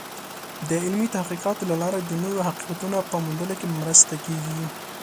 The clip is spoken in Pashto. د علمي تحقیقاتو له لارې د نوو حقیقتونو په موندلو کې مرسته کېږي.